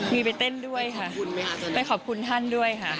มีไปเต้นด้วยค่ะไปขอบคุณท่านด้วยค่ะ